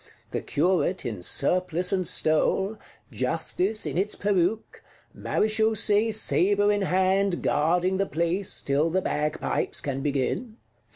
The Curate in surplice and stole; Justice in its peruke; Marechausee sabre in hand, guarding the place, till the bagpipes can begin.